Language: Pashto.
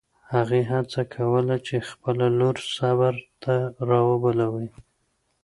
هغې هڅه کوله چې خپله لور صبر ته راوبولي.